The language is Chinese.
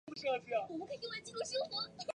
委员会推举方宗鳌为代表中国大学。